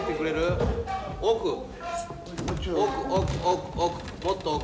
奥奥奥奥もっと奥。